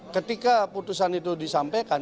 ketika putusan itu disampaikan